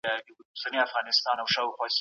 په ځینو دیوانونو کې د طب یادونه هم سته.